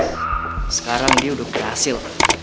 sekarang dia udah berhasil